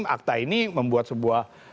akta ini membuat sebuah